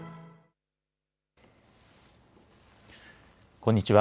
こんにちは。